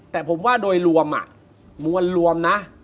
แต่ผมว่าโดยรวมมวลรวมนะ